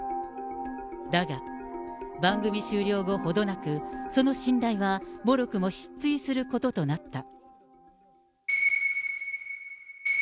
だが、番組終了後程なく、その信頼はもろくも失墜することとなった。